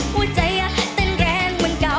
หัวใจเต้นแรงเหมือนเก่า